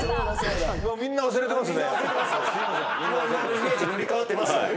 みんな忘れてます？